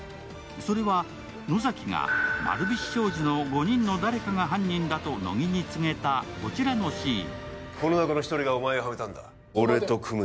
それは、野崎が丸菱商事の５人の誰かが犯人だと乃木に告げたこちらのシーン。